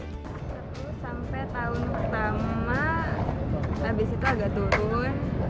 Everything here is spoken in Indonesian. tepat dulu sampai tahun pertama abis itu agak turun